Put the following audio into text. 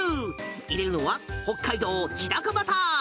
入れるのは、北海道日高バター。